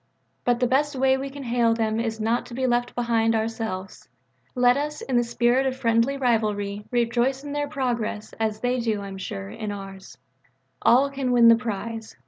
But the best way we can hail them is not to be left behind ourselves. Let us, in the spirit of friendly rivalry, rejoice in their progress, as they do, I am sure, in ours. All can win the prize.